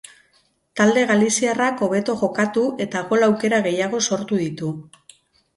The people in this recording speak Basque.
Talde galiziarrak hobeto jokatu eta gol aukera gehiago sortu ditu.